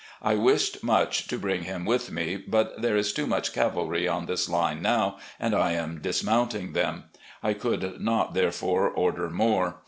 I wished much to bring him with me ; but there is too much cavalry on this line now, and I am dismounting them. I cotdd not, therefore, order more.